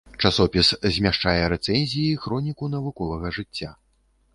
Часопіс змяшчае рэцэнзіі, хроніку навуковага жыцця.